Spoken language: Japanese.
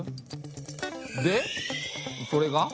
でそれが？